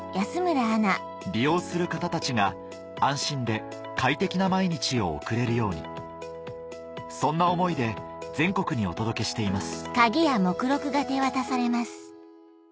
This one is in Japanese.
利用する方たちが安心で快適な毎日を送れるようにそんな思いで全国にお届けしています